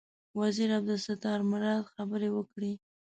وزیر عبدالستار مراد خبرې وکړې.